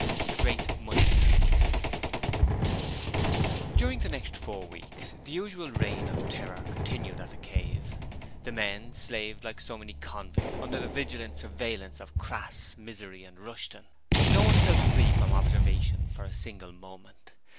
The Great Money Trick During the next four weeks the usual reign of terror continued at 'The Cave'. The men slaved like so many convicts under the vigilant surveillance of Crass, Misery and Rushton. No one felt free from observation for a single moment.